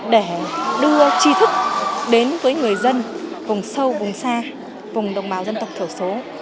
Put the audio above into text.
để đưa trí thức đến với người dân vùng sâu vùng xa vùng đồng bào dân tộc thiểu số